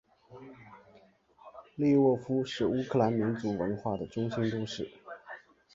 利沃夫是乌克兰民族文化的中心都市。